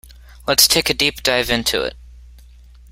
Let's take a deep dive into it.